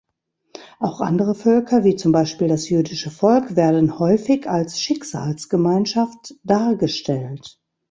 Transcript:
Auch andere Völker, wie zum Beispiel das jüdische Volk werden häufig als Schicksalsgemeinschaft dargestellt.